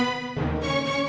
tidak mungkin kita